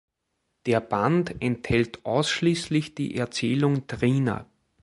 Der Band enthält ausschließlich die Erzählung "Trina".